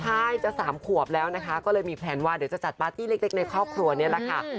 ใช่จะ๓ขวบแล้วนะคะก็เลยมีแพลนว่าเดี๋ยวจะจัดปาร์ตี้เล็กในครอบครัวนี้แหละค่ะ